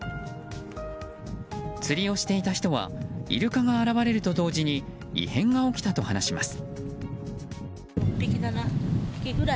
釣りをしていた人はイルカが現れると同時に異変が起きたと話します。